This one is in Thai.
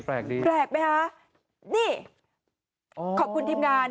แปลกไหมคะนี่ขอบคุณทีมงาน